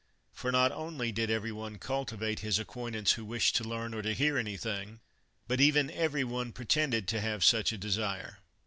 For, not only did every one cultivate his acquaintance who wished to learn or to hear anything, but even every one pretended to have such a desire.